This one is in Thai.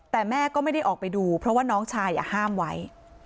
แต่แม่ก็ไม่ได้ออกไปดูเพราะว่าน้องชายห้ามไว้